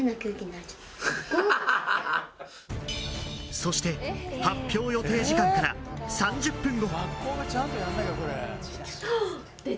そして発表予定時間から３０分後。